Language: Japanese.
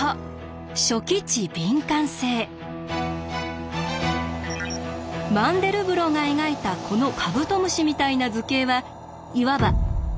そうマンデルブロが描いたこのカブトムシみたいな図形はいわばさて皆さん